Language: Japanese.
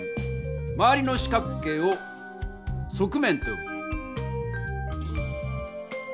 まわりの四角形を「側面」とよぶ。